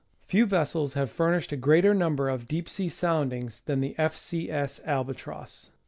Few vessels have furnished a greater number of deep sea sound ings than the F. C. S. Albatross.